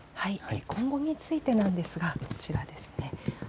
今後についてなんですがこちらです。